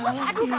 jangan kabur lu